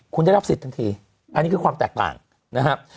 คุณได้รับสิทธิทันทีอันนี้คือความแตกต่างนะครับ